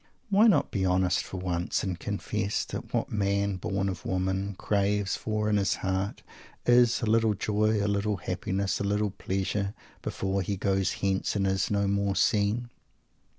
Why not be honest for once, and confess that what Man, born of Woman, craves for in his heart is a little joy, a little happiness, a little pleasure, before "he goes hence and is no more seen"?